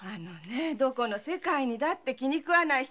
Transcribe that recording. どこの世界にだって気に食わぬ人